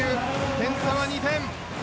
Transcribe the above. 点差は２点です。